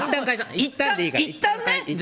いったんね！